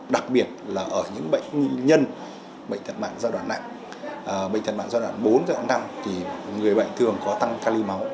đặc biệt là ở những bệnh nhân bệnh thật mạng giai đoạn nặng bệnh thật mạng giai đoạn bốn giai đoạn năm thì người bệnh thường có tăng cali máu